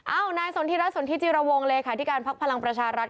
เอ้านายสนธิรัสสนธิจิระวงเลยค่ะที่การพักพลังประชารัฐ